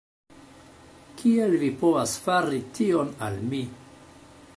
Kiel vi povas fari tion al mi?